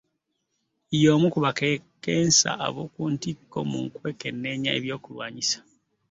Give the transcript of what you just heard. Ye omu ku bakakensa ab’oku ntikko mu kwekenneenya ebyokulwanyisa.